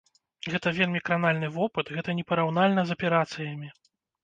Гэта вельмі кранальны вопыт, гэта непараўнальна з аперацыямі.